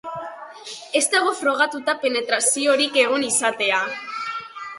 Ez dago frogatuta penetraziorik egon izatea.